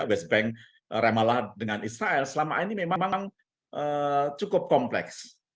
best bank ramallah dengan israel selama ini memang cukup kompleks